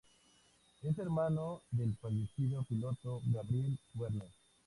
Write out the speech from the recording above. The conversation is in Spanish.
Es hermano del fallecido piloto Gabriel Werner.